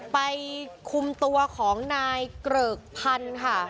ไปคุมตัวของนายเกริกพันธุ์ค่ะ